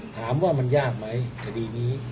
ถามว่ามันยากไหมคดีนี้